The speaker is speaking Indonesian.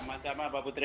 sama sama bapak putri